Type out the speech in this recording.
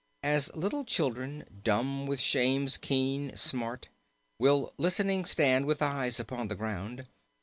"As little children, dumb with shame's keen smart. Will listening stand with eyes upon the ground.